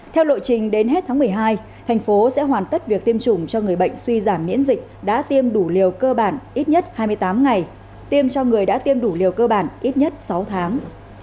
theo lộ trình đến hết tháng một mươi hai thành phố sẽ hoàn tất việc tiêm chủng cho người bệnh suy giảm miễn dịch đã tiêm đủ liều cơ bản ít nhất hai mươi tám ngày tiêm cho người đã tiêm đủ liều cơ bản ít nhất sáu tháng